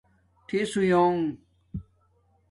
ٹِھس ھویانݣ